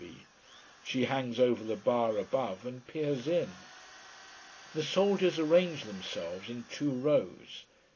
She hangs over the bar above, and peers in. The soldiers arrange themselves in two rows.